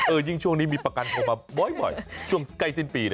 ยิ่งช่วงนี้มีประกันโทรมาบ่อยช่วงใกล้สิ้นปี